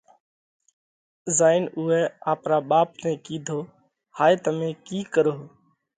زائين اُوئہ آپرا ٻاپ نئہ ڪِيڌو: هائي تمي ڪِي ڪروه؟